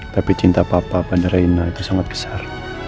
tapi cinta papa pada reina itu sangat besar